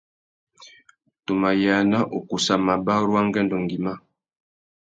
Tu mà yāna ukussa mabarú angüêndô ngüimá.